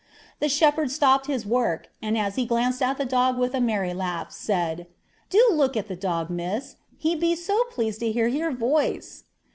The shepherd stopped his work, and as he glanced at the dog with a merry laugh, said, 'Do look at the dog, Miss; he be so pleased to hear your voice.'